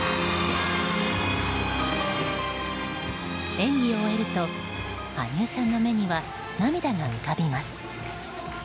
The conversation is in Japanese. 演技を終えると羽生さんの目には涙が浮かびます。